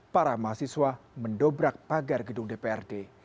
para mahasiswa mendobrak pagar gedung dprd